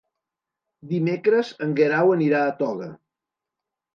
Dimecres en Guerau anirà a Toga.